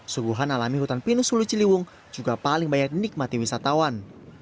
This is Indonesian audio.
suguhan alami hutan pinus hulu ciliwung juga paling banyak dinikmati wisatawan